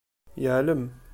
Yeɛlem.